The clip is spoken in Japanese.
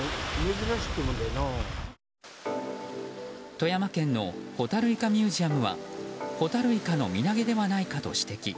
富山県のほたるいかミュージアムはホタルイカの身投げではないかと指摘。